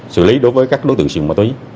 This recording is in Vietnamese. xử lý đối với các đối tượng nghiện ma túy